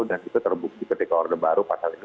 dan itu terbukti ketika order baru pasal ini efektif